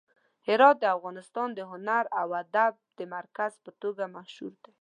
هرات د افغانستان د هنر او ادب د مرکز په توګه مشهور دی.